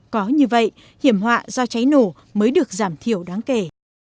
có như vậy hiểm họa do cháy nổ mới được giảm thiểu đáng kể